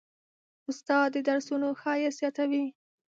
استاد د درسونو ښایست زیاتوي.